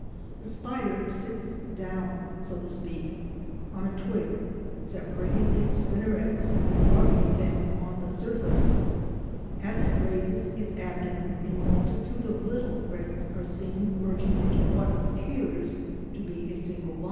The spider sits down, so to speak, on a twig, separating its spinnerets and rubbing them on the surface. As it raises its abdomen a multitude of little threads are seen merging into what appears to be a single line.